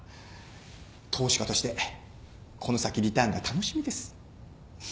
投資家としてこの先リターンが楽しみです。